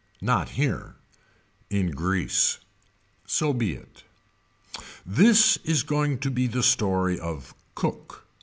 Not here. In Greece. So be it. This is going to be the story of Cook.